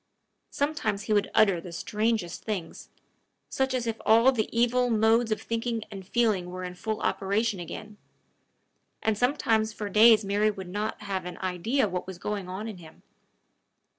Sometimes he would utter the strangest things such as if all the old evil modes of thinking and feeling were in full operation again; and sometimes for days Mary would not have an idea what was going on in him.